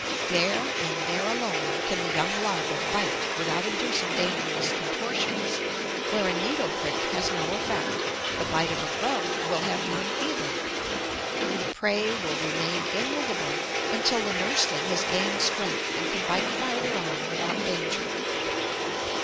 There, and there alone, can the young larva bite without inducing dangerous contortions; where a needle prick has no effect, the bite of a grub will have none either, and the prey will remain immovable until the nursling has gained strength and can bite farther on without danger."